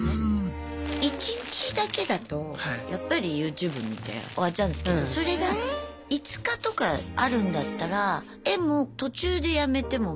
１日だけだとやっぱりＹｏｕＴｕｂｅ見て終わっちゃうんですけどそれが５日とかあるんだったら絵も途中でやめてもまた次の日も描く。